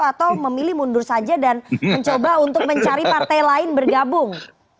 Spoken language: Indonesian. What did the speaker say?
atau memilih mundur saja dan mencoba untuk mencari partai lain bergabung